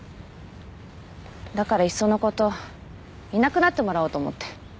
だからいっその事いなくなってもらおうと思って。